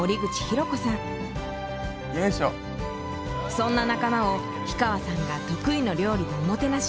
そんな仲間を氷川さんが得意の料理でおもてなし。